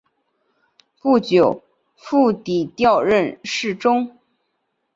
不久傅祗调任侍中。